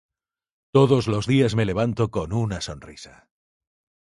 Todos los días me levanto con una sonrisa.